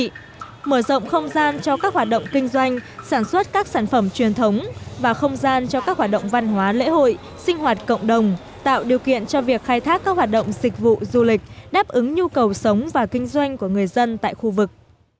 mở rộng không gian cho các hoạt động kinh doanh sản xuất các sản phẩm truyền thống và không gian cho các hoạt động văn hóa lễ hội sinh hoạt cộng đồng tạo điều kiện cho việc khai thác các hoạt động dịch vụ du lịch đáp ứng nhu cầu sống và kinh doanh của người dân tại khu vực